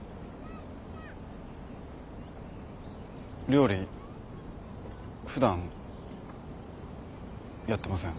料理普段やってません。